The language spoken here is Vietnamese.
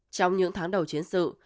trong những tháng đầu chiến sự